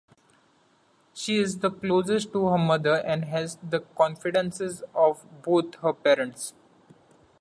She is closest to her mother and has the confidences of both her parents.